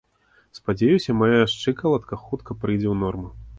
Спадзяюся, мая шчыкалатка хутка прыйдзе ў норму.